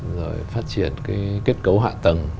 rồi phát triển cái kết cấu hạ tầng